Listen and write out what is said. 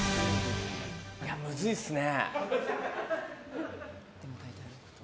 いやあ、むずいっすね。